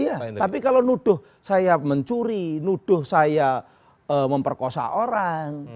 iya tapi kalau nuduh saya mencuri nuduh saya memperkosa orang